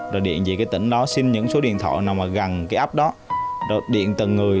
rồi điện về cái tỉnh đó xin những số điện thoại nào mà gần cái app đó rồi điện từng người